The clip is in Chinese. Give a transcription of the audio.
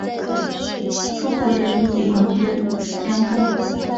中国人民解放军将领。